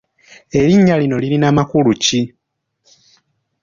Erinnya lino lirina makulu ki?